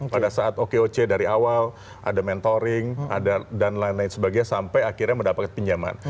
pada saat okoc dari awal ada mentoring dan lain lain sebagainya sampai akhirnya mendapatkan pinjaman